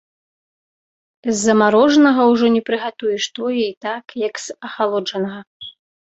З замарожанага ўжо не прыгатуеш тое і так, як з ахалоджанага.